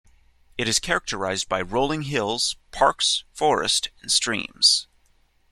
It is characterized by rolling hills, parks, forest, and streams.